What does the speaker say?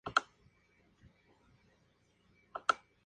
Se podían encontrar en los castillos de los jefes.